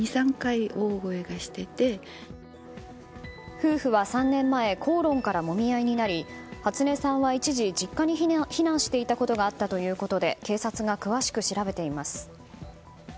夫婦は３年前口論からもみ合いになり初音さんは一時実家に避難していたことがあったということで警察が詳しく調べています。